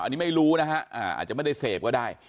อันนี้ไม่รู้นะฮะอาจจะไม่ได้เสพก็ได้